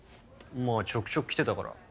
まぁちょくちょく来てたから。